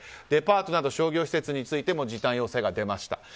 デパートなど商業施設についても時短要請が出ました。